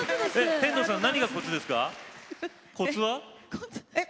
天童さん何がコツですか？